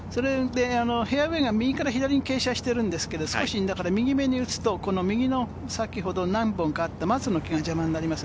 フェアウエーが右から左に傾斜してるんですけれど、右めに打つと右の何本かあった松の木が邪魔になります。